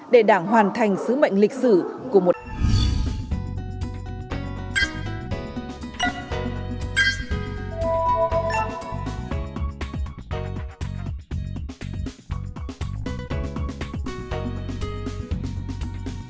để đảng hoàn thành sứ mệnh lịch sử của một